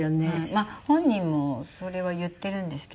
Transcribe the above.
まあ本人もそれは言っているんですけどね。